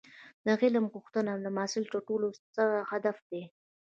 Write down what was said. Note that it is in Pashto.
د علم غوښتنه د محصل تر ټولو ستر هدف دی.